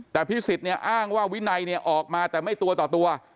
แต่พิสิทธิ์เนี่ยอ้างว่าวินัยเนี่ยออกมาแต่ไม่ตัวต่อตัว